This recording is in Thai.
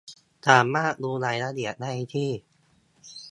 สามารถดูรายละเอียดได้ที่